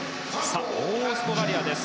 オーストラリアです。